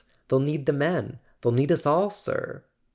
They'll need the men; they'll need us all, sir!"